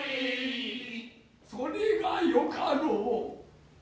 それがよかろう。